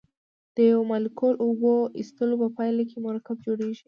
د یو مالیکول اوبو ایستلو په پایله کې مرکب جوړیږي.